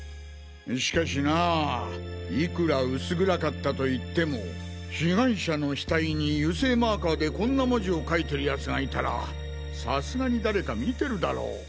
しかしなぁいくら薄暗かったと言っても被害者の額に油性マーカーでこんな文字を書いてる奴がいたらさすがに誰か見てるだろ？